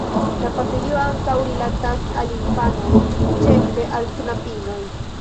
La papilio ankaŭ rilatas al infanoj, ĉefe al knabinoj.